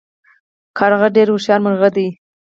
کارغه ډیر هوښیار مرغه دی